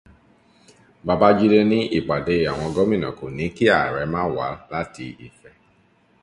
Babájídé ní ìpàdé àwọn gómìnà kò ní kí ààrẹ má wá láti Ifẹ̀